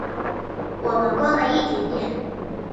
我们逛了一点点